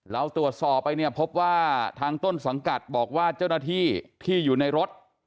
เราตรวจสอบไปเนี่ยพบว่าทางต้นสังกัดบอกว่าเจ้าหน้าที่ที่อยู่ในรถ